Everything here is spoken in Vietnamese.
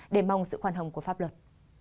để mong sự khoan hồng của pháp luật